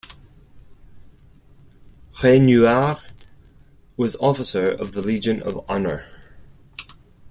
Raynouard was Officer of the Legion of Honour.